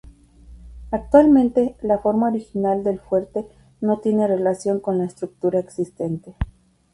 Actualmente la forma original del fuerte no tiene relación con la estructura existente.